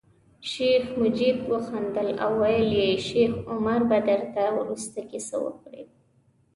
شیخ مجید وخندل او ویل یې شیخ عمر به درته وروسته کیسه وکړي.